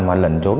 và lẩn trốn